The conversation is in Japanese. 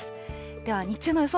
では日中の予想